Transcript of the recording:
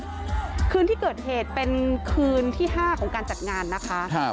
วันที่เกิดเหตุคือคืนที่๕ของการจัดงานนะคะ